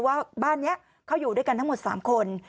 ว่าบ้านนี้เขาอยู่ด้วยกันทั้งหมด๓คน